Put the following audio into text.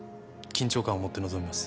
緊張感を持って臨みます。